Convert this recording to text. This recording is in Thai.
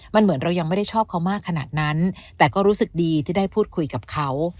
มันเหมือนเรายังไม่ได้ชอบเขามากขนาดนั้นแต่ก็รู้สึกดีที่ได้พูดคุยกับเขา